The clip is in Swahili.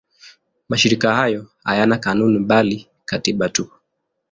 Mashirika hayo hayana kanuni bali katiba tu.